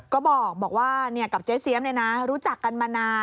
ก็บอกว่ากับเจ๊เซี๊ยมเนี่ยนะรู้จักกันมานาน